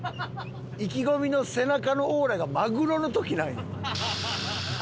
意気込みの背中のオーラがマグロの時なんよ。なあ？